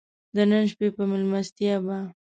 د نن شپې په مېلمستیا به.